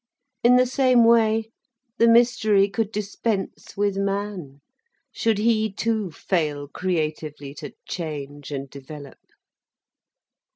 In the same way the mystery could dispense with man, should he too fail creatively to change and develop.